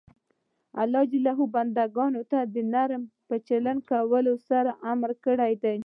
الله ج بنده ګانو ته د نرمۍ په چلند کولو سره امر کړی ده.